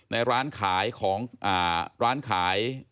ในร้านขายของร้านขาย